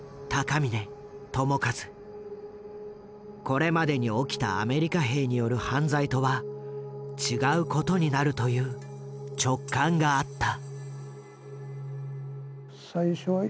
これまでに起きたアメリカ兵による犯罪とは違うことになるという直感があった。